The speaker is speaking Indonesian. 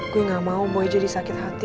gue gak mau mulai jadi sakit hati